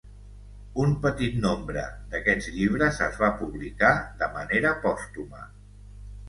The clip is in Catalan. Un petit nombre d'aquests llibres es va publicar de manera pòstuma.